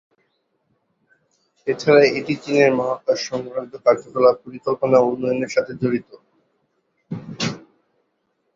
এছাড়া এটি চীনের মহাকাশ সংক্রান্ত কার্যকলাপের পরিকল্পনা ও উন্নয়নের সাথে জড়িত।